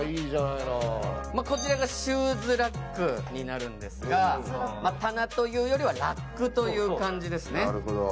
こちらがシューズラックになるんですが棚というよりはラックという感じですね。